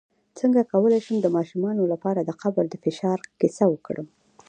څنګه کولی شم د ماشومانو لپاره د قبر د فشار کیسه وکړم